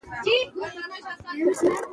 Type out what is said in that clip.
افغانستان کې تودوخه د چاپېریال د تغیر نښه ده.